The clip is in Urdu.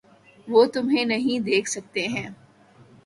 وہ تمہیں نہیں دیکھ سکتے ہیں۔